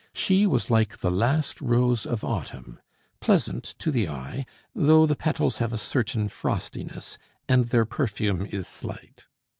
She was like the last rose of autumn, pleasant to the eye, though the petals have a certain frostiness, and their perfume is slight.